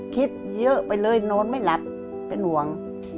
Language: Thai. คิดเยอะไปเลยนอนไม่หลับเป็นห่วง